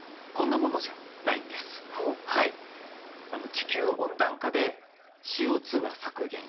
地球温暖化でＣＯは削減したい。